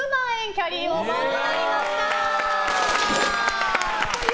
キャリーオーバーとなりました。